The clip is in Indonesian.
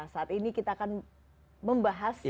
saat ini kita akan membahas